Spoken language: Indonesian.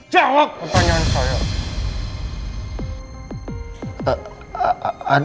jawab pertanyaan saya